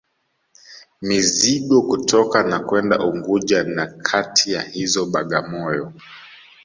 Mizigo kutoka na kwenda Unguja na kati ya hizo Bagamoyo